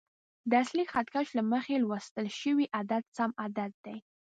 د اصلي خط کش له مخې لوستل شوی عدد سم عدد دی.